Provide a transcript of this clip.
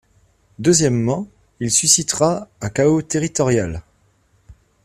Deuxièmement, il suscitera un chaos territorial.